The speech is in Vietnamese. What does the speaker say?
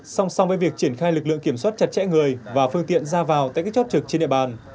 song song với việc triển khai lực lượng kiểm soát chặt chẽ người và phương tiện ra vào tại các chốt trực trên địa bàn